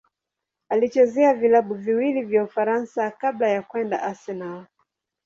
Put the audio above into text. Alichezea vilabu viwili vya Ufaransa kabla ya kwenda Arsenal.